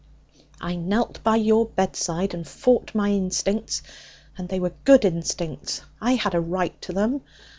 'I knelt by your bedside and fought my instincts, and they were good instincts. I had a right to them.